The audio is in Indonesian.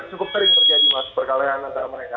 jadi memang cukup sering terjadi mas perkelahian antar mereka